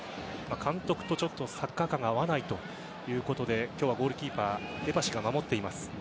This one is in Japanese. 監督とちょっとサッカー観が合わないということで今日はゴールキーパーエパシが守っています。